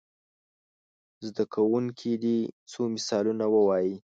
زده کوونکي دې څو مثالونه ووايي.